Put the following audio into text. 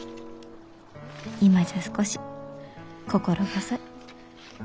今じゃ少し心細い。